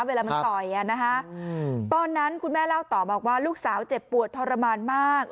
เวลามันต่อยตอนนั้นคุณแม่เล่าต่อบอกว่าลูกสาวเจ็บปวดทรมานมาก